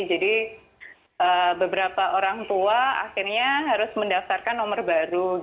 jadi beberapa orang tua akhirnya harus mendaftarkan nomor baru